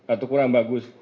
atau kurang bagus